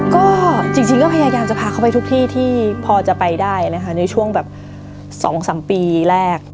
ก็จริงก็พยายามจะพาเขาไปทุกที่ที่พอจะไปได้นะคะในช่วงแบบ๒๓ปีแรก